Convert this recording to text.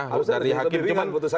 harusnya lebih ringan